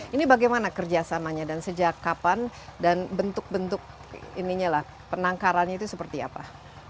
ini bagaimana kerjasamanya dan sejak kapan dan bentuk bentuk penangkarannya itu seperti apa